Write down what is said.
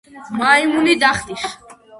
მაიმუნი დახტის